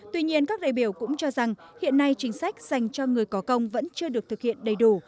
tuy nhiên các đại biểu cũng cho rằng hiện nay chính sách dành cho người có công vẫn chưa được thực hiện đầy đủ